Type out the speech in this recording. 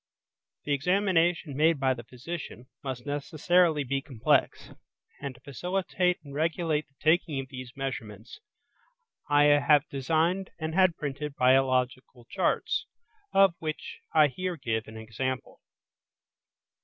The examination made by the physician must necessarily be complex, and to facilitate and regulate the taking of these measurements I have designed and had printed biological charts, of which I here give an example.